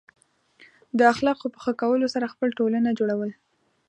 د اخلاقو په ښه کولو سره خپل ټولنه جوړول.